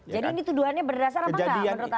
jadi ini tuduhannya berdasar apa enggak menurut anda